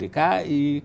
kebetulan dia berdekai